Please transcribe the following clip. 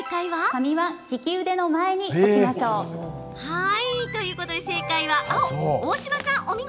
紙は利き腕の前に置きましょう。ということで正解は青。